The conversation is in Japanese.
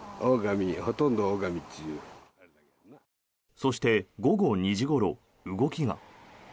そして、午後２時ごろ動きが。